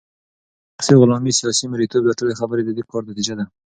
شخصي غلامې ، سياسي مريتوب داټولي خبري ددي كار نتيجه ده